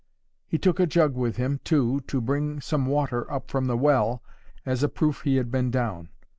He took a jug with him, too, to bring some water up from the well, as a proof he had been down.